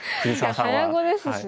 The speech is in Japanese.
早碁ですしね。